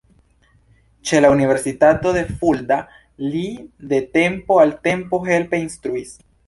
Ĉe la universitato de Fulda li de tempo al tempo helpe instruis.